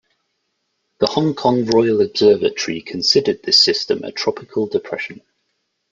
The Hong Kong Royal Observatory considered this system a tropical depression.